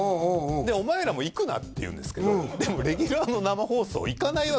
「お前らも行くな」って言うんですけどでもレギュラーの生放送行かないわけいかない